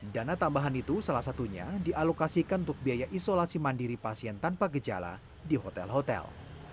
dana tambahan itu salah satunya dialokasikan untuk biaya isolasi mandiri pasien tanpa gejala di hotel hotel